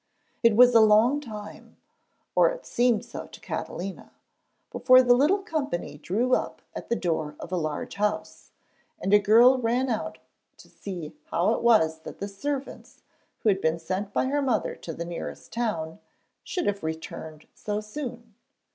It was a long time or it seemed so to Catalina before the little company drew up at the door of a large house, and a girl ran out to see how it was that the servants who had been sent by her mother to the nearest town should have returned so soon.